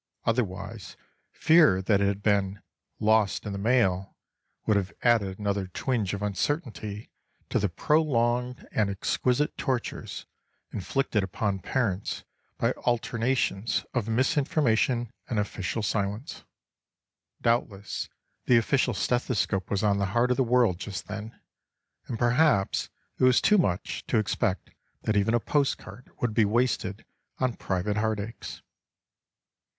Otherwise, fear that it had been "lost in the mail" would have added another twinge of uncertainty to the prolonged and exquisite tortures inflicted upon parents by alternations of misinformation and official silence. Doubtless the official stethoscope was on the heart of the world just then; and perhaps it was too much to expect that even a post card would be wasted on private heart aches.